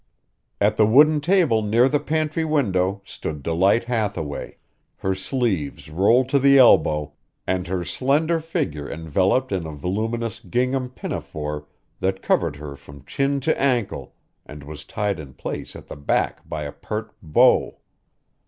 At the wooden table near the pantry window stood Delight Hathaway, her sleeves rolled to the elbow, and her slender figure enveloped in a voluminous gingham pinafore that covered her from chin to ankle and was tied in place at the back by a pert bow.